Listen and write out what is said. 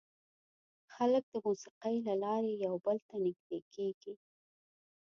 خلک د موسیقۍ له لارې یو بل ته نږدې کېږي.